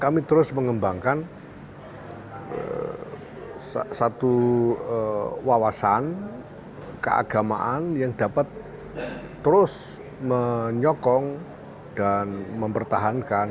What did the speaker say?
kami terus mengembangkan satu wawasan keagamaan yang dapat terus menyokong dan mempertahankan